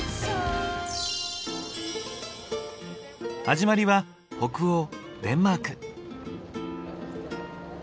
始まりは北欧デンマーク。